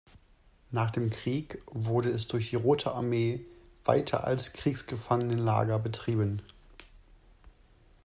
Nach dem Krieg wurde es durch die Rote Armee weiter als Kriegsgefangenenlager betrieben.